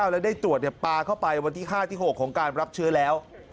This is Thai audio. แล้วได้ตรวจปลาเข้าไปวันที่๕ที่๖ของการรับเชื้อแล้ว